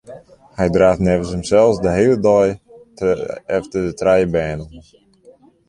Hy draaft neffens himsels de hiele dei efter de trije bern oan.